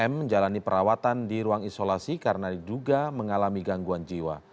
m menjalani perawatan di ruang isolasi karena diduga mengalami gangguan jiwa